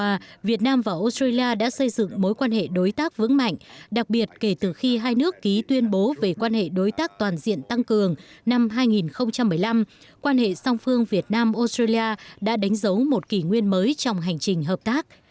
trong đó việt nam và australia đã xây dựng mối quan hệ đối tác vững mạnh đặc biệt kể từ khi hai nước ký tuyên bố về quan hệ đối tác toàn diện tăng cường năm hai nghìn một mươi năm quan hệ song phương việt nam australia đã đánh dấu một kỷ nguyên mới trong hành trình hợp tác